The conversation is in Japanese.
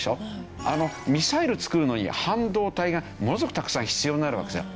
ミサイル作るのに半導体がものすごくたくさん必要になるわけですね。